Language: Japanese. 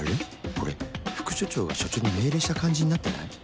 これ副署長が署長に命令した感じになってない？